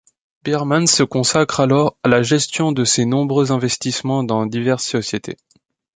Biermans se consacre alors à la gestion de ses nombreux investissements dans diverses sociétés.